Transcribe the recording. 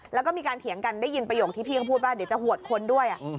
แล้วก็มีการเถียงกันได้ยินประโยคที่พี่เขาพูดว่าเดี๋ยวจะหวดคนด้วย